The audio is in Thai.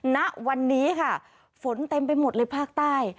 ณวันนี้ค่ะฝนเต็มไปหมดเลยภาคใต้